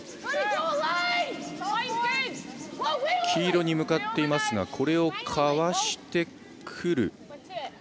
黄色に向かっていましたがこれをかわしてくる。